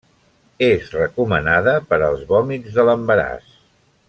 És recomanada per als vòmits de l'embaràs.